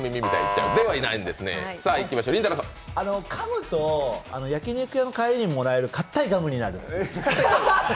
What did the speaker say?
かむと焼き肉屋の帰りにもらえるかったいガムになる。